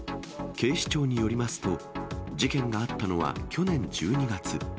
警視庁によりますと、事件があったのは去年１２月。